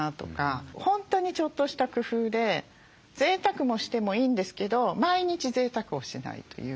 本当にちょっとした工夫でぜいたくもしてもいいんですけど毎日ぜいたくをしないという。